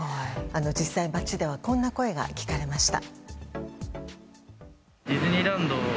実際、街ではこんな声が聞かれました。